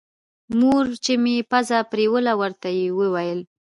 مور چې مې پزه پرېوله ورته ويې ويل.